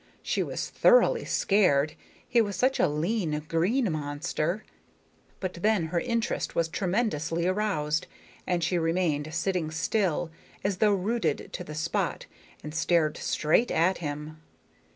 She was thoroughly scared he was such a lean green monster but then her interest was tremendously aroused, and she remained sitting still, as though rooted to the spot, and stared straight at him.